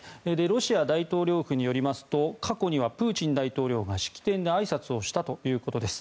ロシア大統領府によりますと過去にはプーチン大統領が式典であいさつをしたということです。